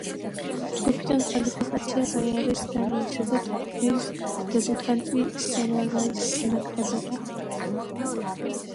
ჯგუფიდან კვალიფიკაცია გაიარეს დანიისა და ტურნირის დებიუტანტი სენეგალის ნაკრებებმა.